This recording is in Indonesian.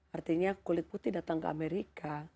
artinya kulit putih datang ke amerika